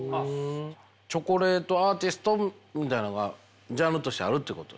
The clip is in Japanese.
チョコレートアーティストみたいなんがジャンルとしてあるってことですか。